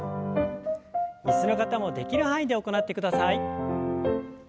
椅子の方もできる範囲で行ってください。